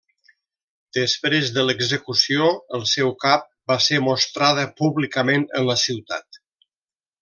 Després de l'execució, el seu cap va ser mostrada públicament en la ciutat.